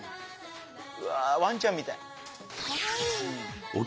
うわワンちゃんみたい！